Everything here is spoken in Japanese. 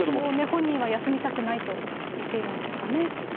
本人は休みたくないと言っているんですかね。